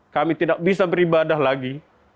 kami tidak bisa beribadah lagi